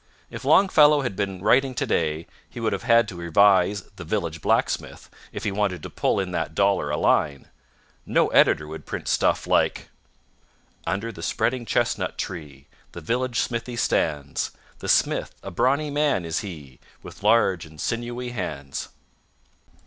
If Longfellow had been writing today he would have had to revise "The Village Blacksmith" if he wanted to pull in that dollar a line. No editor would print stuff like: Under the spreading chestnut tree The village smithy stands. The smith a brawny man is he With large and sinewy hands.